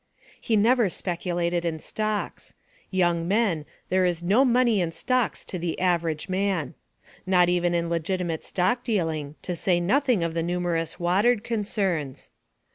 He never speculated in stocks. Young men, there is no money in stocks to the average man. Not even in legitimate stock dealing, to say nothing of the numerous watered concerns.